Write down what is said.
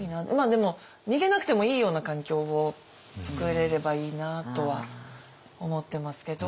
でも逃げなくてもいいような環境を作れればいいなとは思ってますけど。